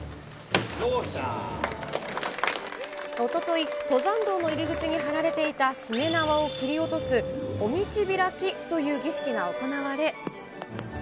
おととい、登山道の入り口に張られていたしめ縄を切り落とす、お道開きという儀式が行われ。